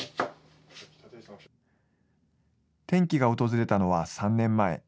転機が訪れたのは３年前。